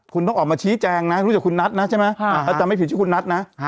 คุณต้องออกมาชี้แจงนะรู้จักคุณนัทนะใช่ไหมถ้าจำไม่ผิดชื่อคุณนัทนะ